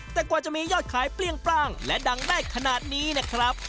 แต่กว่าจะมียอดขายเปรี้ยงปร่างและดังได้ขนาดนี้นะครับ